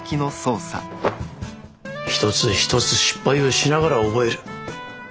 一つ一つ失敗をしながら覚える。